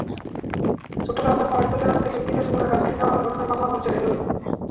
চট্টগ্রামের পাহাড়তলী এলাকা থেকে দিনে-দুপুরে গাছ কেটে নেওয়ার ঘটনায় মামলা করেছে রেলওয়ে।